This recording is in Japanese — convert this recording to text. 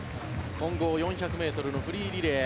混合４００ｍのフリーリレー。